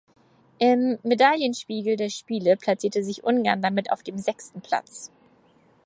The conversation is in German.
Im Medaillenspiegel der Spiele platzierte sich Ungarn damit auf dem sechsten Platz.